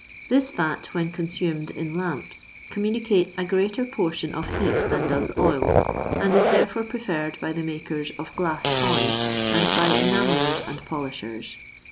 This fat when consumed in lamps communicates a greater portion of heat than does oil, and is therefore preferred by the makers of glass toys, and by enamellers and polishers.